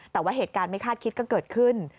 แต่ว่าเหตุการณ์ไม่คาดคิดก็เกิดขึ้น